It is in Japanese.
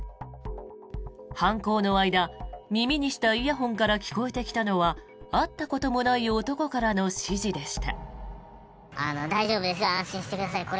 犯行の間、耳にしたイヤホンから聞こえてきたのは会ったこともない男からの指示でした。